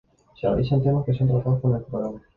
Se analizan temas que son tratados en el programa.